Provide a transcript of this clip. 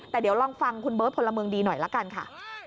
แต่เดี๋ยวลองฟังคุณเบิร์ตพลเมืองดีหน่อยละกันค่ะ